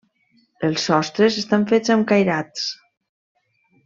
Els sostres estan fets amb cairats.